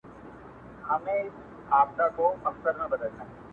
یا د ورځې کومې خبرې واوري